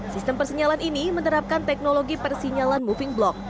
sistem persinyalan ini menerapkan teknologi persinyalan moving block